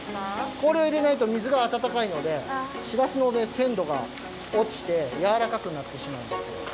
こおりをいれないと水があたたかいのでしらすのせんどがおちてやわらかくなってしまうんですよ。